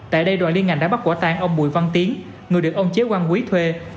tại đây đoàn liên ngành đã bắt quả tan ông bùi văn tiến người được ông chế quang quý thuê